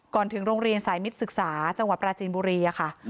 ถึงโรงเรียนสายมิตรศึกษาจังหวัดปราจีนบุรีค่ะ